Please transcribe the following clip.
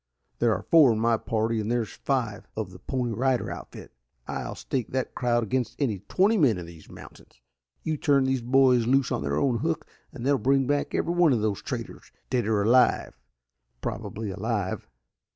"There are four in my party and there's five of the Pony Rider outfit. I'll stake that crowd against any twenty men in these mountains. You turn these boys loose on their own hook and they'll bring back every one of these traitors, dead or alive probably alive."